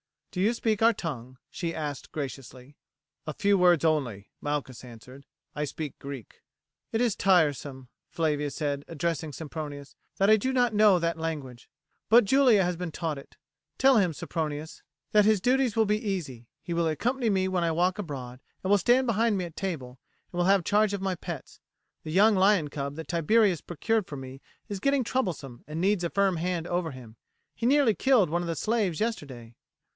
Do you speak our tongue?" she asked graciously. "A few words only," Malchus answered. "I speak Greek." "It is tiresome," Flavia said, addressing Sempronius, "that I do not know that language; but Julia has been taught it. Tell him, Sempronius, that his duties will be easy. He will accompany me when I walk abroad, and will stand behind me at table, and will have charge of my pets. The young lion cub that Tiberius procured for me is getting troublesome and needs a firm hand over him; he nearly killed one of the slaves yesterday."